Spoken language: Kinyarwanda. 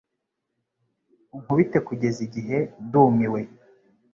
Unkubite kugeza igihe ndumiwe